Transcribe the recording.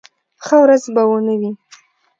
ښه ورځ به و نه وي.